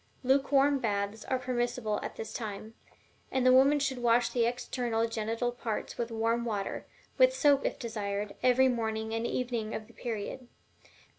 Lukewarm baths are permissible at this time; and the woman should wash the external genital parts with warm water, with soap if desired, every morning and evening of the period.